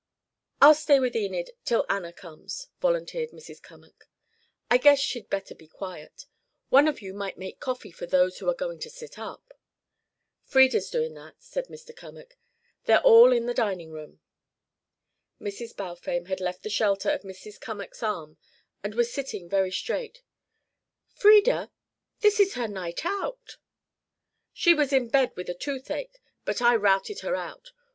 "I'll stay with Enid till Anna comes," volunteered Mrs. Cummack. "I guess she'd better be quiet. One of you might make coffee for those that are going to sit up " "Frieda's doin' that," said Mr. Cummack. "They're all in the dining room " Mrs. Balfame had left the shelter of Mrs. Cummack's arm and was sitting very straight. "Frieda? This is her night out " "She was in bed with a toothache, but I routed her out.